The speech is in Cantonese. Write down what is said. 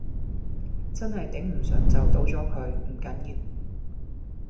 真係頂唔順就倒咗佢，唔緊要